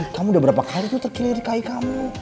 kamu udah berapa kali tuh terkelirik kaya kamu